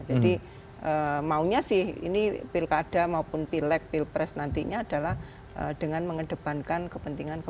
jadi maunya sih ini pilkada maupun pilek pilpres nantinya adalah dengan mengedepankan kepentingan pdi